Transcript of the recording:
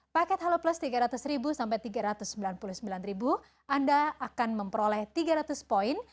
paket halo plus rp tiga ratus sampai rp tiga ratus sembilan puluh sembilan anda akan memperoleh tiga ratus poin